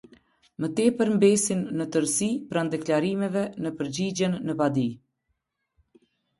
Më tepër mbesin në tërësi pranë deklarimeve në përgjigjen në padi.